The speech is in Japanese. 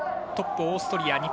トップ、オーストリア。